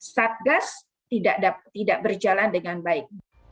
satgas tidak berjalan dengan baik